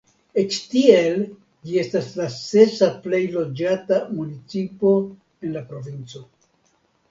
Eĉ tiel ĝi estas la sesa plej loĝata municipo en la provinco.